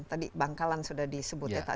tadi bangkalan sudah disebut